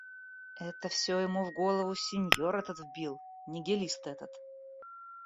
Это все ему в голову синьор этот вбил, нигилист этот.